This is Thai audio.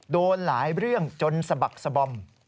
โดนหลายเรื่องจนสะบักสบอม